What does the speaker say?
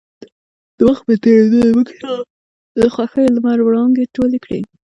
د وخـت پـه تېـرېدو لـه مـوږ څـخـه د خـوښـيو لمـر وړانـګې تـولې کـړې.